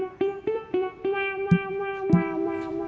pernikah di hadapan bapak